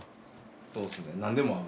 そうですね何でも合う。